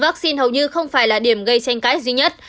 vắc xin hầu như không phải là điểm gây tranh cãi duy nhất